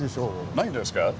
ないですか？